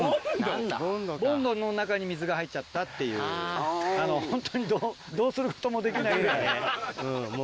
ボンドの中に水が入っちゃったっていうあのホントにどうすることもできないぐらい。